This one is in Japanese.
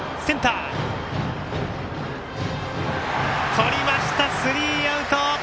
とりましたスリーアウト。